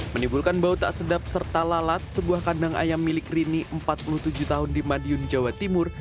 menimbulkan bau tak sedap serta lalat sebuah kandang ayam milik rini empat puluh tujuh tahun di madiun jawa timur